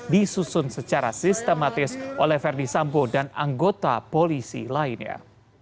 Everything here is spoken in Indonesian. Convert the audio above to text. disusun secara sistematis oleh verdi sambo dan anggota polisi lainnya